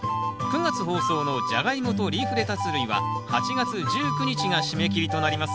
９月放送の「ジャガイモ」と「リーフレタス類」は８月１９日が締め切りとなります。